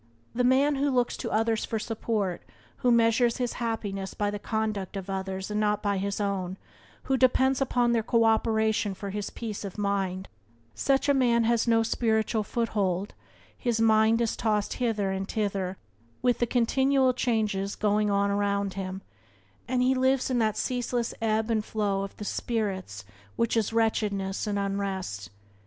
The man who looks to others for support, who measures his happiness by the conduct of others and not by his own, who depends upon their co operation for his peace of mind — such a man has no spiritual foothold, his mind is tossed hither and thither with the continual changes going on around him, and he lives in that ceaseless ebb and flow of the spirits which is wretchedness and unrest.